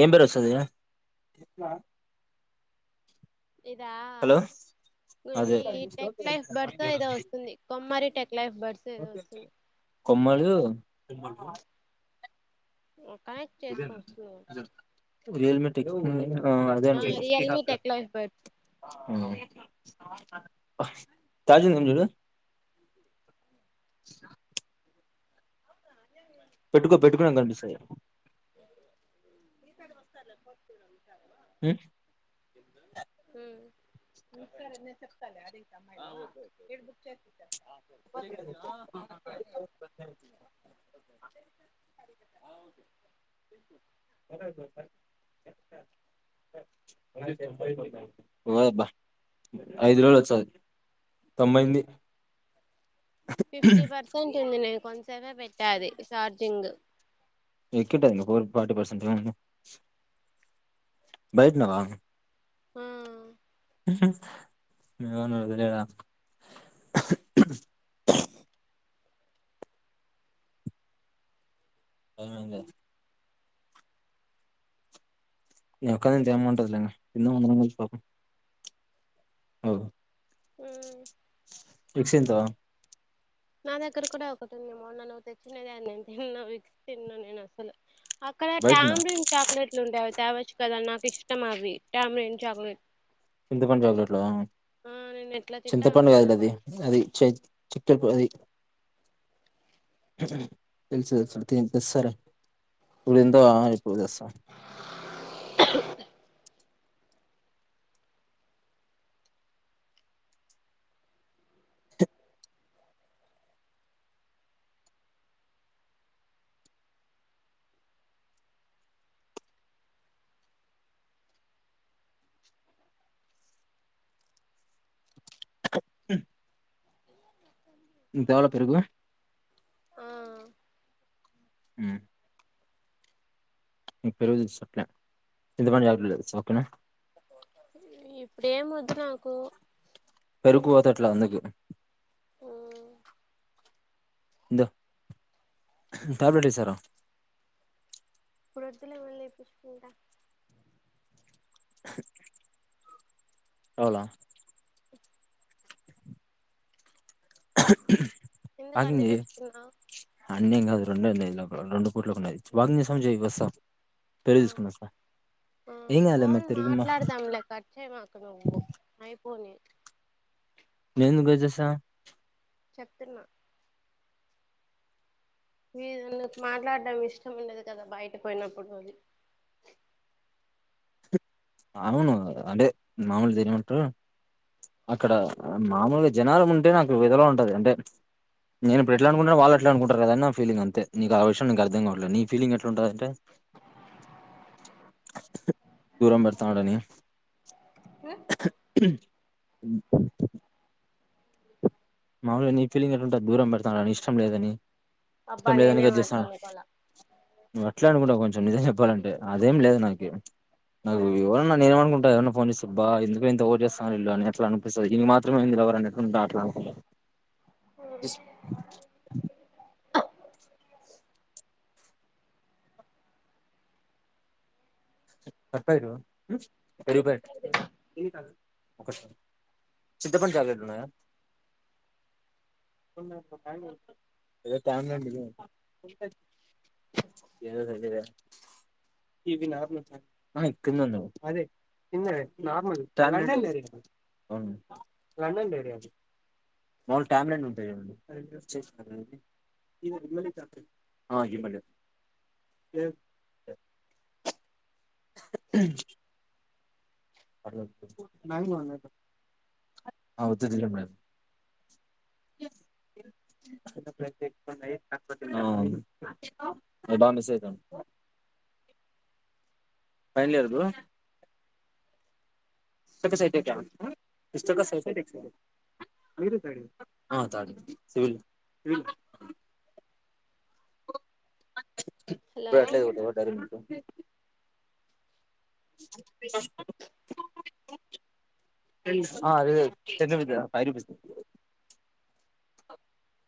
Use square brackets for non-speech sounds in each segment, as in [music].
ఏం బరు సద ఇదా అదే ఇది టెక్ లైఫ్ బర్స్ ఏదో వస్తుంది కొమ్మరి టెక్ లైఫ్ బర్స్ ఏదో వస్తుంది కొమళ ఎ రల్ మ ఆ అదే రియల్మీ టెక్ లైఫ్ బర్డ్స్ తాజీ సజు పెట్టుకో పెట్టుకున్నాం కనిపిస్తా ఈతడు వస్తాలతవ అ నిసారన్న చెప్తలే అదేతే మ రేప్ బుక్ చేపిస్తా [unintelligible] [unintelligible] [inaudible] బా ఐదు రోజులు వచ్చాయి తొంభైంది ఫిఫ్టీ పర్సెంట్ ఉంది నేను కొంతసేపే పెట్టాది చార్జింగ్ ఎకట్టది ఫోర్ర్ ఫటీ పర్సెంట్ అయింది బైట్నవా ఆ నువ్ ఏమన్నవో తెలియదా అవునంగా నీ ఒక్కదాంతో ఏముంటది లే కింద అందరం కలిసి పడుకుందం అవు హ చిల్తో నా దగ్గర కూడా ఒకటి ఉంది మొన్న నువ్వు తెచ్చినది అని నేను తిను విక్స్ తిను నేను అసలు అక్కడ బయటున్నా టామ్రీన్ చాక్లెట్లు ఉండే అవి తేవచ్చు కదా నాకు ఇష్టం అవి టామ్రీన్ చాక్లెట్ చింత పండు చాక్లెట్ ఆ ఆ నేను ఎట్లా తింటా చింతపండు ఉంటున్నాను కాద అదే అది [unintelligible] తెలుసు తెలు తె ససాలే ఇపుడు తింతావా పోయి తెస్తా [inaudible] తేవాలా పెరుగు ఆ ఉమ్ పెరుగు తెస్తా అట్లే చింతపండు చాక్లెట్ తెస్తా ఓకేనా ఇప్పుడే మొద్దు నాకు పెరుకుపోత ఎట్లాగు అందుకె ఇందో టాబ్లెట్ ఏసారా ఇప్పుడుదులే వెళ్ళి పసుకుంట కావలా ఎందుకు అన్ని వాకింగ్ చై తెచ్చుకున్నావ్ అని ఎమ్ కాదు రొండే లైన్ లోపల రొండు లోకున్నది వాకింగ్ చేస్తావేమో చై వస్స ఆ పెరుగు తీసుకొని వస్స ఆ పోన్ మాట్లాడదాంలే కట్ చెమాకు నువ్వు అయి పోని, [unintelligible] చెప్తున ఏదో నీకు మాట్లాడడం ఇష్టం ఉండదు కదా బయట పోయినప్పుడు అది అవును గద అంటే మాములు దినన్నేమంటారు అక్కడ మామూలుగా జనాలు ఉంటే నాకు యెధల ఉంటది అంటే నేను ఇప్పు ఎట్లా అనుకుంట వాళ్ళ ఎట్లా అంటారుదా నా ఫీలింగ్ అంతేకు ఆ విషయం నీకు అర్థంవట్దు నీలింగ్ ఎట్లా ఉంటదంటే [inaudible] దూరంబె తనవ్ గాని మాములుగా నీ ఫీలింగ్ ఎట్లుంది దూరం పెడతానని ఇష్టం లేదని అబ్బా ఇష్టం లేదనే నేనేం కట్ అట్లా చేస్తానవ్ అనుకోలా నువ్వు అట్లే అనుకుంటన్నావు కొంచెం నిజం చెప్పాలంటే అదేం లేదు నాకి నాకు ఎవరన్న నేనేం అను ఎవరన్నా ఫోన్ చేస్తే అబ్బా ఎందుకూలే ఇంత ఓవర్ చేస్తన్నారు ఇలు అట్లా అనిపిస్తది ఇంగ మాత్రమే లవర్ అన్నడు డేట్లనుకుంటన్న [unintelligible] చింతపండు చాక్లెట్ ఉన్నాయా [unintelligible] [unintelligible] ఆహ ఇంకన్నేవున్నావ్ అదే [inaudible] ట్యామారన్డ్ ఉంటాయి చూడండి ఆ ఇమలి ఆ వద్దు తినను నేను ఆ అది బా మిసైతుండు ఫైనల్ ఇయర నువ్వు సైటే క్యా లిస్ట్నోక సైఫె మీరే సైడి ఆ థర్డ్ సివిల్ సివిల్ హలో నువు అట్లే దు పోతావా డైరెక్ట్ ఆ అవి తెదు టెన్ రూపీస్ లేదా ఫైవ్ రూపీస్ ది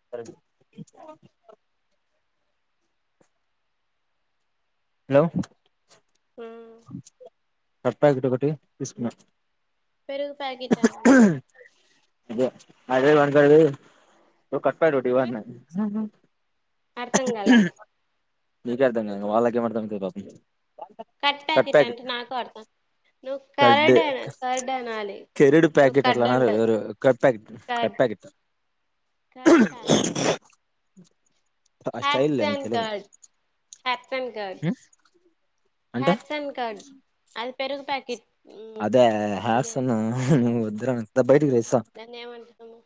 తార్డి హలో హు సర్ఫ్ ప్యాకెట్ ఒకటి తీసుకున్నా పెరుగు ప్యాకెట అండి అదే వంకాల్ది ఓ కట్ ప్యాకెట్ ఒకటి ఇవ్వండి అని అర్థం కల మీకే అర్ధం కాల ఇంకా వాళ్లకేం అర్థమైతది పాపం కట్ ప్యాకెట్ అంటే నాకు అర్థం నువ్వు కరడను కర్డ్ అనాలి కెరీడు నువ్వు ప్యాకెట్ అట్లా కర్డ్ అనరు అంటావ్ ఎవరు కడ్ ప్యాకేట్ కట్ ప్యాకెట్ ప్యాక్ అ హసండ్ కడ్ హసండ్ కడ్ ఉమ్ అంటే హస్ అండ్ కార్డ్ అది పెరుగు పాకెట్ అద హార్సన్ నువ ఉద బయటికి ర ఇస దాన్ని ఏమంటాము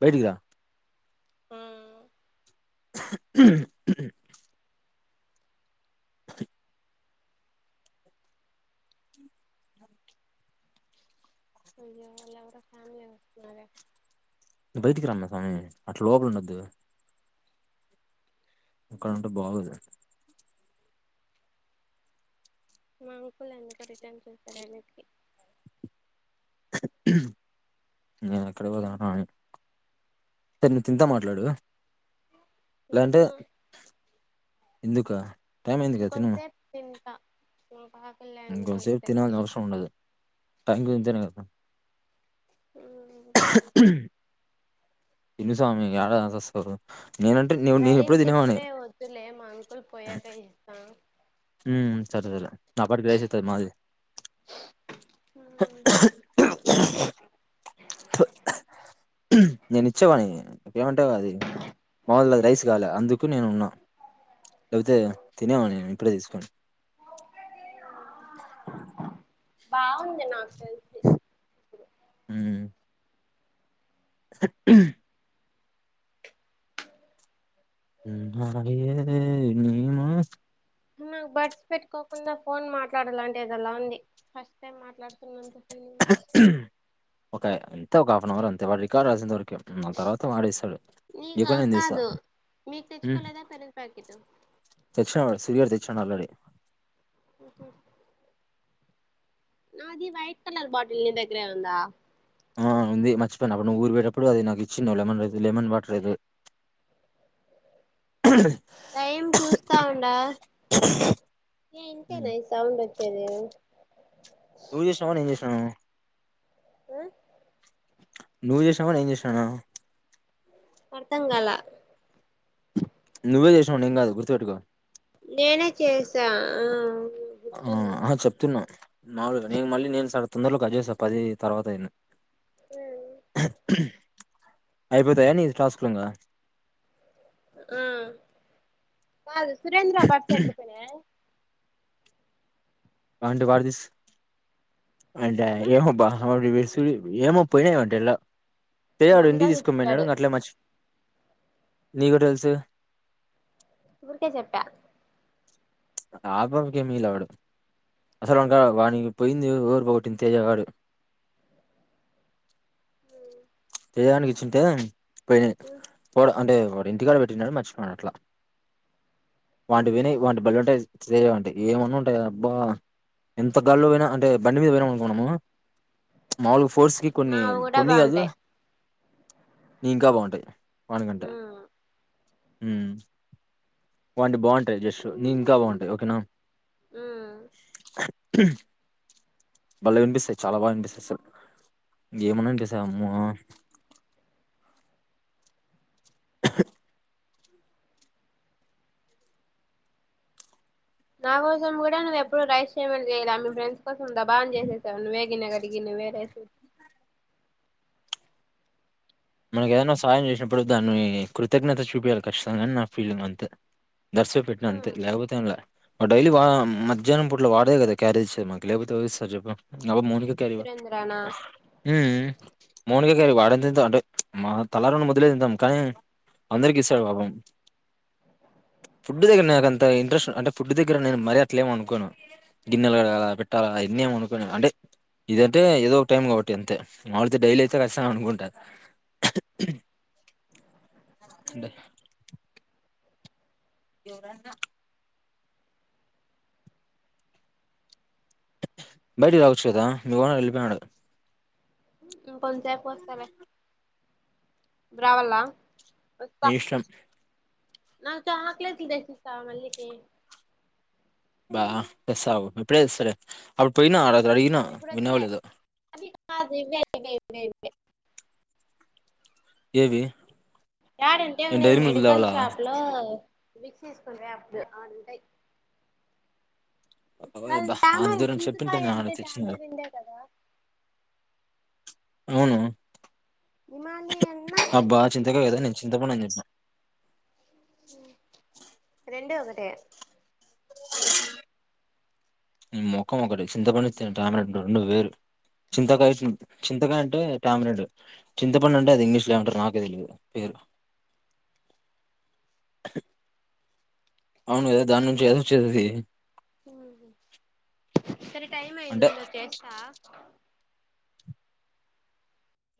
బైటికిర ఆ రా అయ్యో అలేవరో ఫ్యామీలీ వస్తున్నారే బయటికి రమ్మ స్వామి అటు లోపల ఉండద్దు అక్కడ ఉంటే బాగోదు మాంకుల్ ఎందుకు రిటర్న్ చూస్తారు అన్నిటికీ ఎక్కడ పోదామని సరే నేను తింతా మాట్లాడు ఎందుకు ఎందుక కొంతసేపు తింటా ఇంకా ఇంకొంచెం సేఫ్ తినాల్సిన అవసరం ఉండదు టైం కు ఇంతేనే కదా మ్ తిను స్వామి ఏడ సస్తారు రైస్ ఇప్పుడే వద్దులే మా అంకుల్ పోయాక ఇస్తా సరేలే ఆపాటికి రైస్ అయితది మాది మ్ నేను ఇచ్చేవానీ ఏమంటావ్ అది మావల్లది అది రైస్ కాలే అందుకు నేను ఉన్నా లేకపోతే తినేవాన్ని నేను ప్లే తీసుకో బాగుంది నాకు తెలిసి ఉ సత్యం నీ మాయే నీ మా నాకు బడ్స్ పెట్టుకోకుండా ఫోన్ మాట్లాడాలి అంటే ఏదోలా ఉంది ఫస్ట్ టైం మాట్లాడుతున్నంత ఫీలింగ్ ఒక ఎంత ఒక హాఫ్న్ అవర్ అంతే వాడు రికార్డ్ రాసేంత వరకు ఆ తర్వాత వాడే ఇస్తాడు నీకు ఇయ్యకుంటే నేను తెస్తా కాదు మీకు తెచ్చుకోలేదా పెరుగు ప్యాకెట్ తెచ్చిన సూరిగాడు తెచ్చినాడు ఆల్రెడీ నాది వైట్ కలర్ బాటిల్ నీ దగ్గరే ఉందా ఆ ఉంది మర్చిపోయినా అప్పుడు నువ్ ఊరు పోయేటప్పుడు అది నాకు ఇచ్చి నువ్ లెమన్ లెమన్ వాటర్ ఎదో టైం చూస్తా ఉండా ఇగ హ్మ్. ఇంతేనా ఈ సౌండ్ చ్చేదే నువ్వు చేసినవా నేను చేసినా ఆ నువ్వు చేసినావ నేన్ చేసినానా అర్థం గాల నువ్వే చేసినవు నేను కాదు గుర్తుపెటుకో నేనే చేసా ఆ ఆ గుర్తుంది ఆ చెప్తున్నా మామలుగా నేను మళ్ళీ నేను సార్ తొందరలో కట్ చేస్తా పది తర్వాత అయినా అయిపోతయ నీది టాస్కులుఇంగ ఆ కాదు సురేంద్ర ఎక్కడ పోయినాయే అంటే వాడు తీస్ అంటే ఆ అయ్యేమో [unintelligible] ఏమో పోయినాయంట ఎల్లా తెలియాడు ఇంటి మౌనికాకి తీసుకొని పోయినాడు చెప్పాడు అట్లే మర్చి నీకు తెలుసు ఊరికే చెప్పా ఆ కొడుకే మీ లవడు అసలు వానికా వానీ పోయింది ఓరు పోగట్టిది తేజగాడు తేజ గానికి ఇచ్చుంటే పోయినయ్ పో అంటే ఇంటికాడ పెట్టినాడు మర్చిపో అట్లా వాండి వినయ్ వాండి భలే ఉంటాయి సేమ్ ఉంటాయి ఏమన్నా ఉంటాయా అబ్బా ఎంత గాల్లో పోయినా అంటే బండి మీద పోయినాం అనుకో మామ మాముూలు ఫోర్స్ కి కొన్ని మావి కూడా కొన్ని కాదు బాగుంటాయి నీ ఇంకా బాగుంటాయి వానికంటే ఉమ్ వాడివి బాగుంటాయి జస్ట్ నీ ఇంకా బాగుంటాయి ఓకేనా ఉమ్ భలే వినిపిస్తాయి చాలా బాగా వినిపిస్తాయి అసలు ఏమన్నా వినిపిస్తాయి అమ్మ నా కోసం కూడా నువ్ ఎప్పుడు రైస్ చేయమని చేయలా మీ ఫ్రెండ్స్ సంందాని చేసేసావ వేగిన కడిగి నవ్ వేరే మనకు ఏదైనా సహయం చేసినప్పుడు దాన్ని కృతజ్ఞత చూపయాలి ఖచ్చితంగాని నా ఫీలింగ్ అంతే దర్శ పెట్టిన అంతే ఉమ్ లేకపోతే డైలీ వా మధ్యాహ్నం పట్లో వా అద కదా క్యారీజ మాకి లేకపోతేస్తారు చెప్ప అబ మూనిగా క్యారీ సురేంద్రనా హ్మ్ మోనికా వాడ [unintelligible] అంటే మా తలారుండి మొదలే తింటాం కానీ అందరికి ఇస్తాడు బాబం ఫుడ్ దగ్గర నాకంత ఇంట్రెస్ట్ అంటే ఫుడ్ దగ్గర నేను మరీ అట్లేమ అనుకున్నాను గిన్నెలు కడగాల పెట్టాలా ఇన్నేమ అనుకునే అంటే ఇదంటే ఏదో ఒక టైం కాబట్టి అంతే మామళైతే డైలీ అయితే కస్తాం అనుకుంటారు అంటే ఎవరానా బయటికి రావచ్చు కదా మీ ఓనర్ వెళ్ళిపోయియాడు ఇంకోసేపుకి వస్తా లే రావల్ల ని ఇష్టం నాకి సీజకోలెట్స్ చెచ్చిస్తావ మళ్ళీ కీ అబ్బా తెస్తా అగు ఇప్పుడే సరే అప్పుడు పోయినా అ ఇప్పుడు వద్దులే అదిది ఇవే ఇవే ఇవే ఇవే ఏవి యాడ అంటే నేను ఉండది డైరీ మిల్క్ మెడికల్ తేవాలా షాప్ లో మిసీస్కుే అప్పుడు ఆనుంట అ అంత దూరం చెప్పింటే నే చింతకాయ ఆడ అంటే తెచ్చంద టామరిందే కదా అవును హిమాలి అన్నా అబ్బా చంతకాయే కదా చింతపండు అని చెపు రెండే ఒకటే ఈ ముఖం ఒకటి చింతపడి తమిరింది రెండు వేరు చింతకాయ చింతకాయ అంటే ట్యామ్రెండ్ చింతపండు అంటే అది ఇంగ్లీష్ మంటారు నాకే తెలిదు అవునుదా దాని నుంచి చేది సరే టైం అంటే అయింది ఉండు చేస్తా